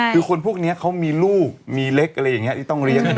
คือคนพวกนี้เขามีลูกมีเล็กอะไรอย่างนี้ที่ต้องเลี้ยง